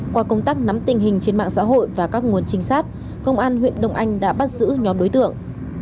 qua công tác nắm tình hình trên mạng xã hội và các nguồn trinh sát công an huyện đông anh đã bắt giữ nhóm đối tượng